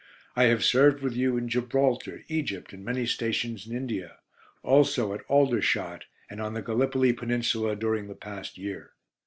I have served with you in Gibraltar, Egypt, and many stations in India; also at Aldershot, and on the Gallipoli Peninsula during the past year.